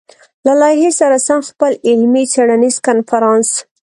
له لايحې سره سم خپل علمي-څېړنيز کنفرانس